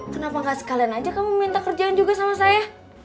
kenapa gak sekalian aja kamu minta kerjaan juga sama saya